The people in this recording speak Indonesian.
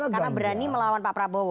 karena berani melawan pak prabowo